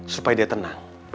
supaya dia tenang